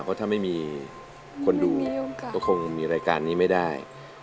เพราะถ้าไม่มีคนดูก็คงมีรายการนี้ไม่ได้